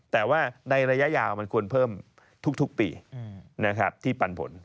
แต่ว่าในระยะยาวมันควรเพิ่มทุกปีนะครับที่ปันผล